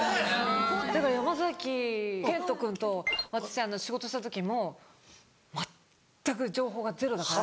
だから山賢人君と私仕事した時も全く情報がゼロだから。